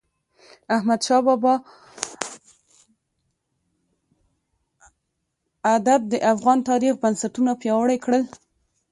احمدشاه بااب د افغان تاریخ بنسټونه پیاوړي کړل.